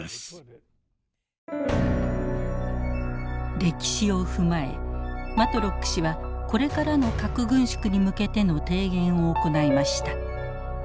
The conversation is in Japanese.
歴史を踏まえマトロック氏はこれからの核軍縮に向けての提言を行いました。